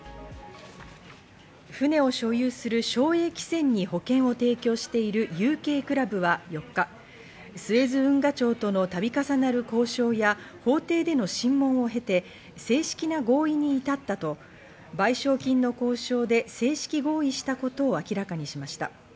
船を所有する正栄汽船に保険を提供しているＵＫクラブは４日、スエズ運河庁とのたび重なる交渉や法廷での審問を経て正式な合意に至ったと賠償金の交渉で正式合意したことを明らかにしました。